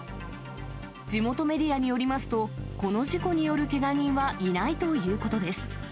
地元メディアによりますと、この事故によるけが人はいないということです。